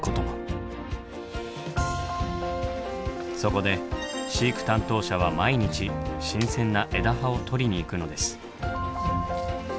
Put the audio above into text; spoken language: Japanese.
そこで飼育担当者は毎日新鮮な枝葉をとりに行くのです。